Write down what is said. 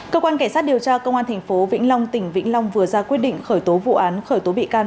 cơ quan kẻ sát điều tra công an thành phố vĩnh long tỉnh vĩnh long vừa ra quyết định khởi tố vụ án khởi tố bị can